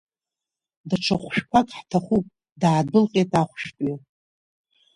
Даҽа хәшәқәак ҳҭахуп, даадәылҟьеит ахәшәтәҩы.